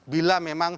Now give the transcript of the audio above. bila memang belum cukup